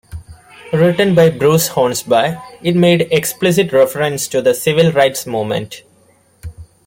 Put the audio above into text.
Written by Bruce Hornsby, it made explicit reference to the Civil Rights Movement.